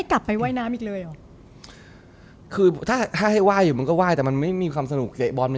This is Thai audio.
คือถ้าให้ไหว้อยู่มันก็ไหว้แต่มันมีคำสนุก